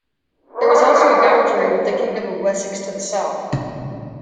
There was also a boundary with the kingdom of Wessex to the south.